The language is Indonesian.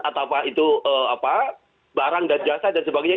atau itu barang dan jasa dan sebagainya